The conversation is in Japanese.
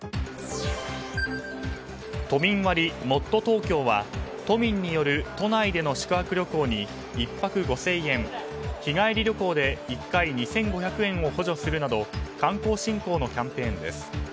都民割もっとＴｏｋｙｏは都民による都内での宿泊旅行に１泊５０００円日帰り旅行で１回２５００円を補助するなど観光振興のキャンペーンです。